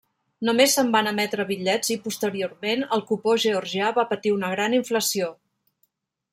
Només se'n van emetre bitllets i posteriorment el cupó georgià va patir una gran inflació.